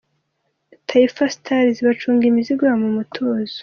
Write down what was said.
Taifa Stars bacunga imizigo yabo mu mutuzo.